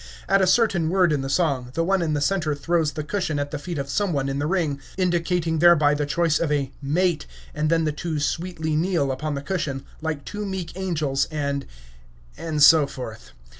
At a certain word in the song, the one in the center throws the cushion at the feet of some one in the ring, indicating thereby the choice of a "mate" and then the two sweetly kneel upon the cushion, like two meek angels, and and so forth.